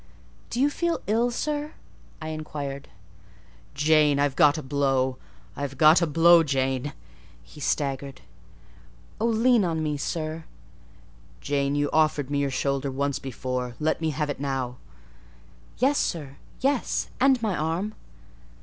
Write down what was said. "Do you feel ill, sir?" I inquired. "Jane, I've got a blow; I've got a blow, Jane!" He staggered. "Oh, lean on me, sir." "Jane, you offered me your shoulder once before; let me have it now." "Yes, sir, yes; and my arm."